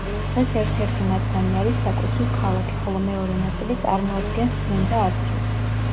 დღეს ერთ-ერთი მათგანი არის საკუთრივ ქალაქი, ხოლო მეორე ნაწილი წარმოადგენს წმინდა ადგილს.